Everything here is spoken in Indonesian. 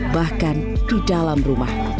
bahkan di dalam rumah